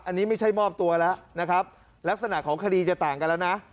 อันนี้ไม่ใช่มอบตัวแล้วนะครับลักษณะของคดีจะต่างกันแล้วนะ